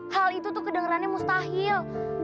hal itu tuh kedengerannya mustahil